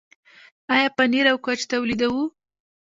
آیا پنیر او کوچ تولیدوو؟